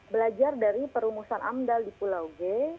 belajar dari perumusan amdal di pulau g